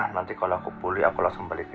nanti kalau aku pulih aku bakal beritahu kamu